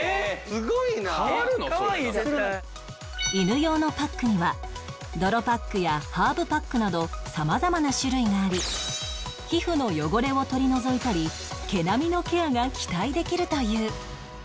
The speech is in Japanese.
犬用のパックには泥パックやハーブパックなど様々な種類があり皮膚の汚れを取り除いたり毛並みのケアが期待できるという